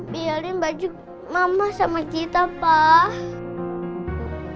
biarin baju mama sama kita pak